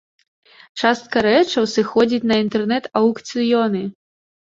Частка рэчаў сыходзіць на інтэрнэт-аўкцыёны.